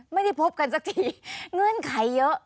ไม่ได้พบกันสักทีเงื่อนไขเยอะ